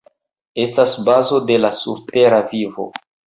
Estas la bazo de la surtera vivo.